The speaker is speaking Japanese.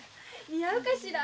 似合うかしら。